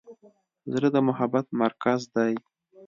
زړه د محبت مرکز دی.